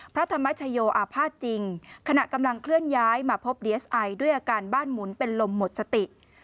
พระธรรมชโยอาภาษณ์จริงขณะกำลังเคลื่อนย้ายมาพบดีเอสไอด้วยอาการบ้านหมุนเป็นลมหมดสติ